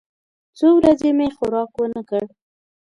څو ورځې مې خوراک ونه کړ.